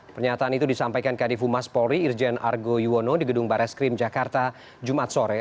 pernyataan itu disampaikan kadifu mas polri irjen argo yuwono di gedung bares krim jakarta jumat sore